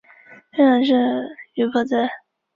院长是于博泽。